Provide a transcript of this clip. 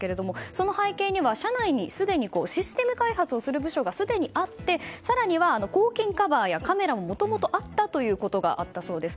その背景には社内にシステムを開発する部署がすでにあって更には抗菌カバーやカメラももともとあったということがあったそうです。